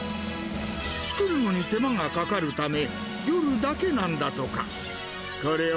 作るのに手間がかかるため、夜だけなんだとか。